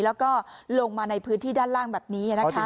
แล้วก็ลงมาในพื้นที่ด้านล่างแบบนี้นะคะ